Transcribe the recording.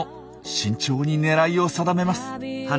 慎重に狙いを定めます。